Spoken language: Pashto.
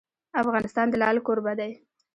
افغانستان د لعل کوربه دی.